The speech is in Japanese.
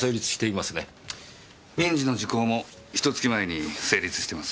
民事の時効もひと月前に成立してます。